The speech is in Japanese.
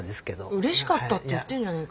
うれしかったって言ってんじゃねえか。